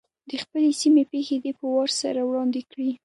د خپلې سیمې پېښې دې په وار سره وړاندي کړي.